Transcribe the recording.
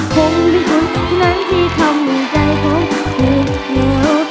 ผมเป็นคนที่นั้นที่ทำให้ใจผมหงุก